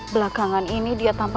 belakangan ini dia tambahkan